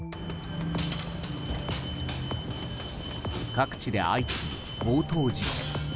各地で相次ぐ強盗事件。